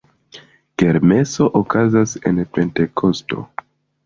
Kermeso okazas en Pentekosto.